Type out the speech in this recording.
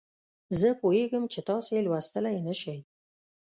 زه پوهیږم چې تاسې یې لوستلای نه شئ.